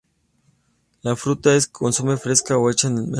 La fruta se consume fresca o hecha en mermeladas.